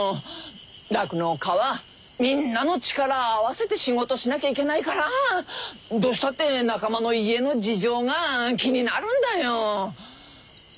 酪農家はみんなの力を合わせて仕事しなきゃいけないからどうしたって仲間の家の事情が気になるんだよ。